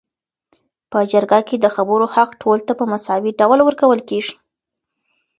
په جرګه کي د خبرو حق ټولو ته په مساوي ډول ورکول کيږي